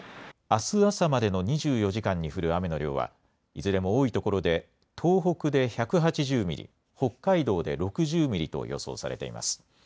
あす朝までの２４時間に降る雨の量はいずれも多いところで東北で１８０ミリ、北海道で６０ミリと予想されています。